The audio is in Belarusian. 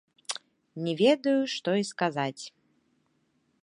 Не ведаю, што і сказаць.